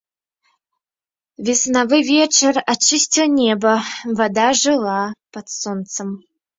Веснавы вецер ачысціў неба, вада жыла пад сонцам.